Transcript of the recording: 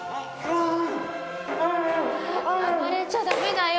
暴れちゃダメだよ！